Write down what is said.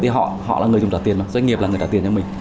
thì họ họ là người dùng trả tiền doanh nghiệp là người trả tiền cho mình